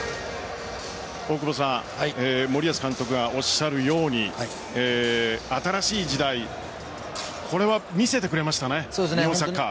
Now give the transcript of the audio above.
大久保さん森保監督がおっしゃるように新しい時代これは見せてくれましたね日本サッカー。